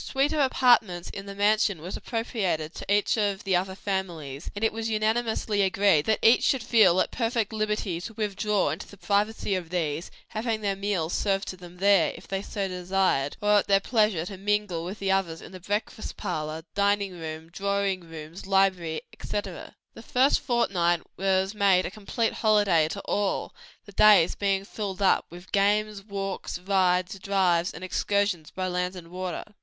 A suite of apartments in the mansion was appropriated to each of the other families, and it was unanimously agreed that each should feel at perfect liberty to withdraw into the privacy of these, having their meals served to them there, if they so desired; or at their pleasure to mingle with the others in the breakfast parlor, dining room, drawing rooms, library, etc. The first fortnight was made a complete holiday to all, the days being filled up with games, walks, rides, drives and excursions by land and water.